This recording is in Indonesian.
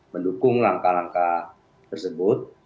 mendukung langkah langkah tersebut